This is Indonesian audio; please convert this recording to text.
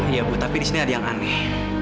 ya bu tapi disini ada yang aneh